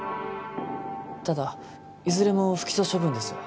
ただいずれも不起訴処分です